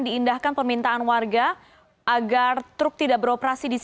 disanjung dengan rasmi pekerja tersebut per spacex kereta merupakan fateh itu predilis